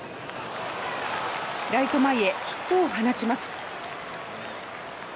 ライト前に、ヒットを放ちます。